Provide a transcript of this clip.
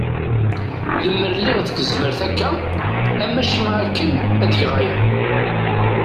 Lemer lliɣ deg tezmert akka am acemma akken ad egeɣ aya.